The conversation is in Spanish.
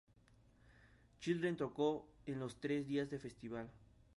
Children tocó en los tres días de festival.